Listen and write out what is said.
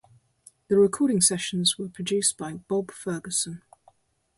The recording sessions were produced by Bob Ferguson.